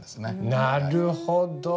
なるほど。